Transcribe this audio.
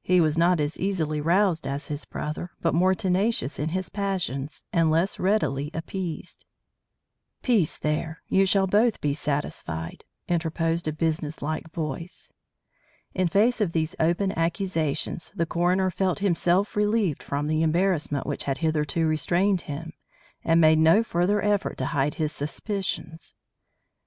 He was not as easily roused as his brother, but more tenacious in his passions, and less readily appeased. "Peace, there! You shall both be satisfied," interposed a businesslike voice. In face of these open accusations, the coroner felt himself relieved from the embarrassment which had hitherto restrained him, and made no further effort to hide his suspicions.